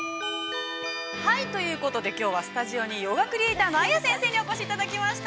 ◆ということで、きょうはスタジオにヨガクリエーターのａｙａ先生にお越しいただきました。